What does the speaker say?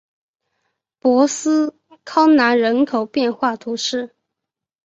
博斯康南人口变化图示